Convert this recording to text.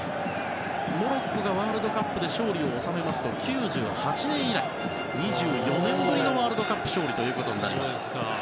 モロッコがワールドカップで勝利を収めますと９８年以来２５年ぶりのワールドカップの勝利ということになります。